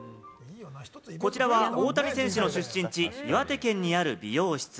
こちらは大谷選手の出身地・岩手県にある美容室。